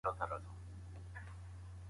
ورینکه